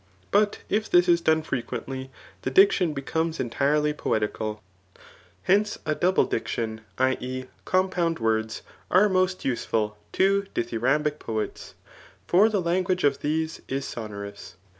But if this is done frequently, the die tion becomes entifely poeticaU H^nce, a double diction [i, e. compound words,] are most useful to dithyrambic poets; for the language of these is sonorous.